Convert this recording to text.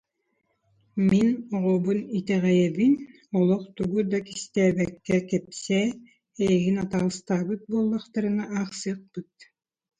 «Мин оҕобун итэҕэйэбин, олох тугу да кистээбэккэ кэпсээ, эйигин атаҕастаабыт буоллахтарына аахсыахпыт»